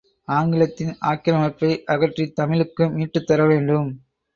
ஆங்கிலத்தின் ஆக்கிரமிப்பை அகற்றித் தமிழுக்கு மீட்டுத் தரவேண்டும்.